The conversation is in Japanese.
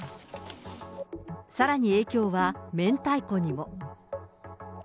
さらに影響は、明太子にも。